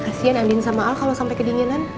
kasian andien sama al kalau sampai kedinginan